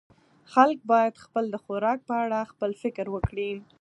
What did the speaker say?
خلک باید د خوراک په اړه خپل فکر وکړي.